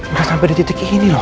udah sampe di titik ini loh